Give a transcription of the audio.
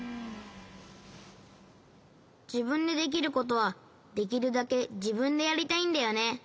じぶんでできることはできるだけじぶんでやりたいんだよね。